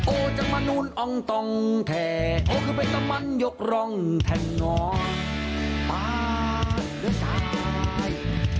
โอ้จังมะนุนอองตองแทโอ้คือเป็นตำมันยกรองแท่งอปาเนื้อสาย